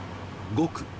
５区。